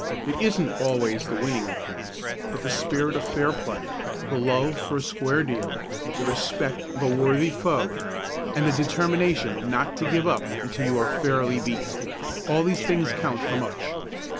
It isn't always the winning that counts, but the spirit of fair play, the love for the square deal, the respect for a worthy foe, and the determination not to give up until you are fairly beaten all these things count for much.